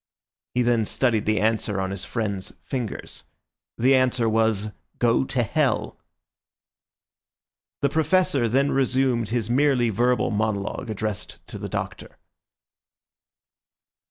He then studied the answer on his friend's fingers. The answer was, "Go to hell!" The Professor then resumed his merely verbal monologue addressed to the Doctor.